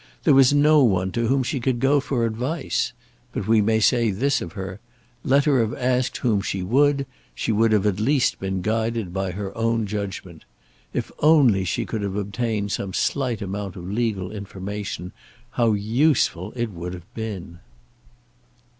There was no one to whom she could go for advice. But we may say this of her, let her have asked whom she would, she would have at least been guided by her own judgment. If only she could have obtained some slight amount of legal information, how useful it would have been!